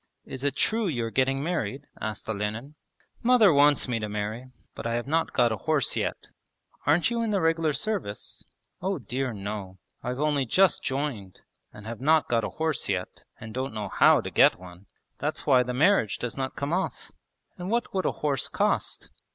'Is it true you are getting married?' asked Olenin. 'Mother wants me to marry. But I have not got a horse yet.' 'Aren't you in the regular service?' 'Oh dear no! I've only just joined, and have not got a horse yet, and don't know how to get one. That's why the marriage does not come off.' 'And what would a horse cost?'